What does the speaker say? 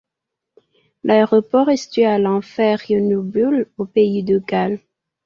L'aéroport est situé à Llanfair yn Neubwll, au Pays de Galles.